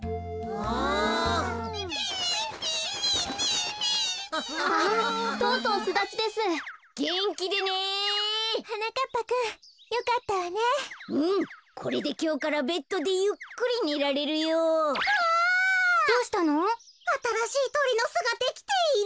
あたらしいトリのすができている。